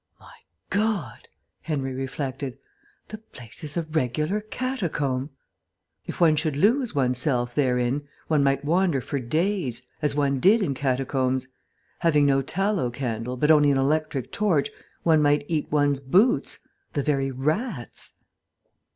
"My God," Henry reflected, "the place is a regular catacomb." If one should lose oneself therein, one might wander for days, as one did in catacombs.... Having no tallow candle, but only an electric torch, one might eat one's boots ... the very rats....